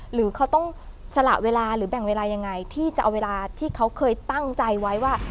หรือเขาต้องสละเวลาหรือแบ่งเวลายังไงที่จะเอาเวลาที่เขาเคยตั้งใจไว้ว่า